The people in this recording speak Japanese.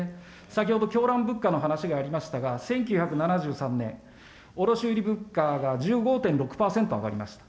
先ほど狂乱物価の話がありましたが、１９７３年、卸売物価が１５．６％上がりました。